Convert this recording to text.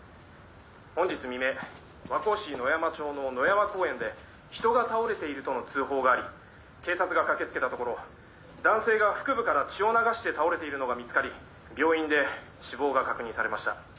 本日未明和光市野山町の野山公園で人が倒れているとの通報があり警察が駆けつけたところ男性が腹部から血を流して倒れているのが見つかり病院で死亡が確認されました。